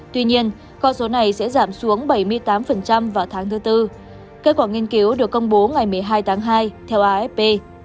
tuy nhiên con số này sẽ giảm xuống bảy mươi tám vào tháng thứ tư kết quả nghiên cứu được công bố ngày một mươi hai tháng hai theo afp